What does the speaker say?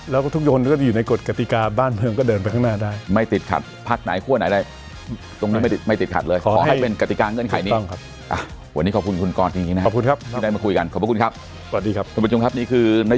แล้วก็ทุกคนก็จะอยู่ในกฎกติกาบ้านเมืองก็เดินไปข้างหน้าได้